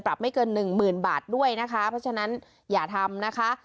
ไม่เกินหนึ่งหมื่นบาทด้วยนะคะเพราะฉะนั้นอย่าทำนะคะ